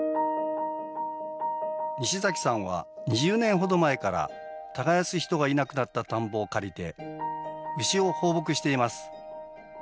西崎さんは２０年ほど前から耕す人がいなくなった田んぼを借りて牛を放牧しています。